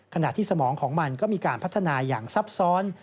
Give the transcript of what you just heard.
ขณะที่สมองของมันก็มีการพัฒนาอย่างซับซ้อน